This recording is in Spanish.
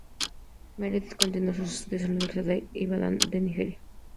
Meredith continuó sus estudios en la Universidad de Ibadán en Nigeria.